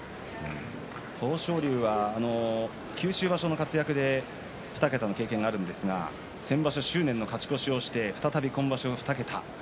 豊昇龍は九州場所の活躍で２桁の経験があるんですが先場所、執念の勝ち越しをして再び今場所２桁。